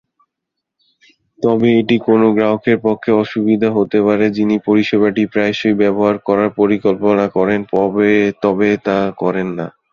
তবে, এটি কোনও গ্রাহকের পক্ষে অসুবিধা হতে পারে, যিনি পরিষেবাটি প্রায়শই ব্যবহার করার পরিকল্পনা করেন তবে পরে তা করেন না।